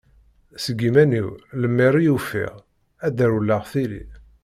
Seg iman-iw lemmer i ufiɣ, ad d-rewleɣ tili.